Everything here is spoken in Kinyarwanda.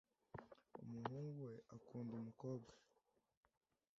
umuhungu we akunda umukobwa.